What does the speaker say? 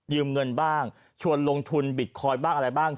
เงินบ้างชวนลงทุนบิตคอยน์บ้างอะไรบ้าง